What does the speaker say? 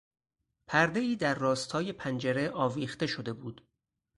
پردهای در راستای پنجره آویخته شده بود.